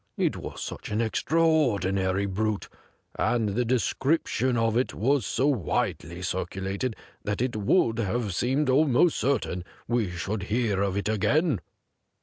It was such an extraordinary brute, and the description of it was so widely circulated that it would have seemed almost certain we should hear of it again.